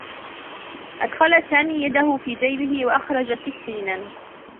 أدخل سامي يده في جيبه و أخرج سكّينا.